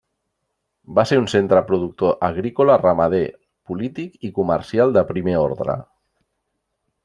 Va ser un centre productor agrícola, ramader, polític i comercial de primer ordre.